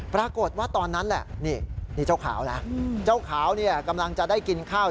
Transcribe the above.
ปรากฏว่าตอนนั้นแหละนี่เจ้าขาวนะเจ้าขาวเนี่ยกำลังจะได้กินข้าว